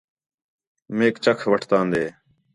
میک چھک وٹھتاندے